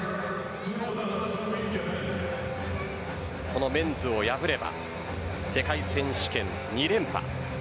このメンズを破れば世界選手権２連覇。